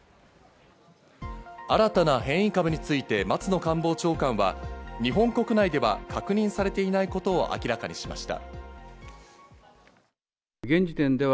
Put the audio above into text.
新たな変異株について松野官房長官は日本国内では確認されていないことを明らかにしました。